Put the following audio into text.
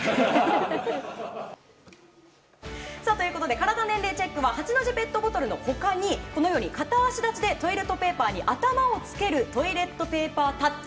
カラダ年齢チェックは８の字ペットボトルの他にこのように片足立ちでトイレットペーパーに頭をつけるトイレットペーパータッチ。